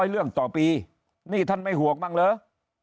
เรื่องต่อปีนี่ท่านไม่ห่วงบ้างเหรอ